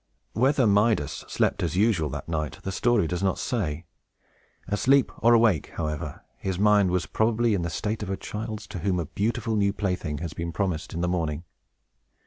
Whether Midas slept as usual that night, the story does not say. Asleep or awake, however, his mind was probably in the state of a child's, to whom a beautiful new plaything has been promised in the morning.